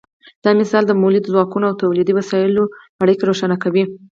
دا مثال د مؤلده ځواکونو او تولیدي وسایلو اړیکه روښانه کوي.